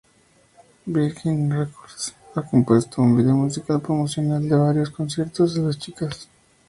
Virgin Records ha compuesto un vídeo musical promocional de varios conciertos de las chicas.